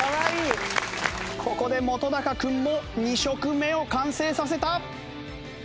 ここで本君も２食目を完成させた。